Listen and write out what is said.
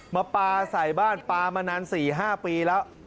มาปลาใส่บ้านปลามานาน๔๕ปีแล้ว